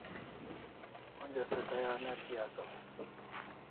Onja se tayar ne thi asaw